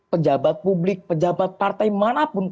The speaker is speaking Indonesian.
pejabat publik pejabat partai manapun